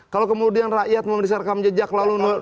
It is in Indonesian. kalau kemudian rakyat memeriksa rekam jejak lalu